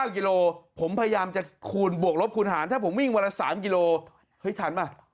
กิโลผมพยายามจะคูณบวกลบคูณหารถ้าผมวิ่งวันละ๓กิโลเฮ้ยทันป่ะ